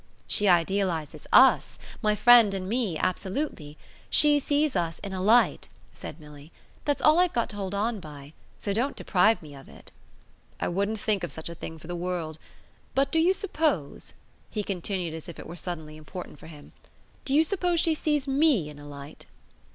"She idealises US, my friend and me, absolutely. She sees us in a light," said Milly. "That's all I've got to hold on by. So don't deprive me of it." "I wouldn't think of such a thing for the world. But do you suppose," he continued as if it were suddenly important for him "do you suppose she sees ME in a light?"